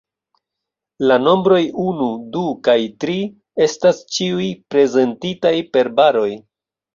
La nombroj unu, du kaj tri estas ĉiuj prezentitaj per baroj.